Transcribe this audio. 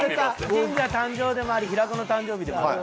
ジンザ誕生でもあり平子の誕生日でもある。